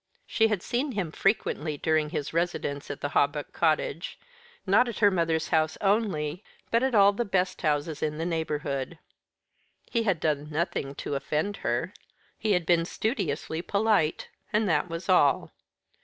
She had seen him frequently during his residence at the Hawbuck cottage, not at her mother's house only, but at all the best houses in the neighbourhood. He had done nothing to offend her. He had been studiously polite; and that was all.